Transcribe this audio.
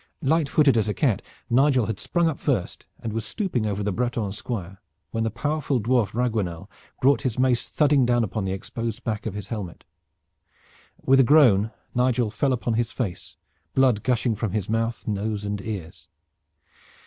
Light footed as a cat, Nigel had sprung up first, and was stooping over the Breton Squire when the powerful dwarf Raguenel brought his mace thudding down upon the exposed back of his helmet. With a groan Nigel fell upon his face, blood gushing from his mouth, nose, and ears.